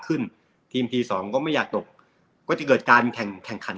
ทีมทีสองก็ไม่อยากตกก็จะเกิดการแข่งแข่งขัน